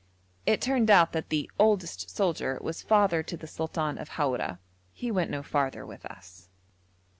It turned out that the 'oldest soldier' was father to the sultan of Haura. He went no farther with us.